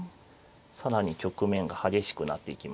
更に局面が激しくなっていきますね。